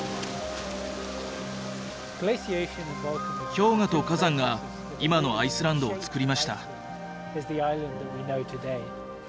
氷河と火山が今のアイスランドをつくりました。